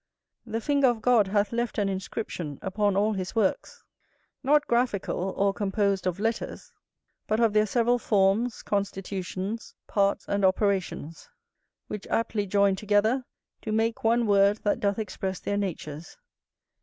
The finger of God hath left an inscription upon all his works, not graphical, or composed of letters, but of their several forms, constitutions, parts, and operations, which, aptly joined together, do make one word that doth express their natures.